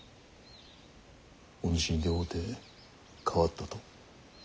お主に出会うて変わったと。